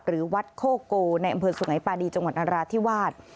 หรือวัดโคโกในอำเภอสุงัยปาดีจังหวัดนราธิวาส